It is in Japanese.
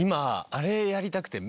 あれやりたくて。